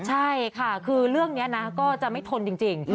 ใช่ค่ะคือเรื่องนี้นะก็จะไม่ทนจริง